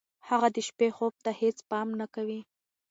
هغه د شپې خوب ته هېڅ پام نه کوي.